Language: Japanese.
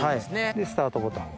でスタートボタンを。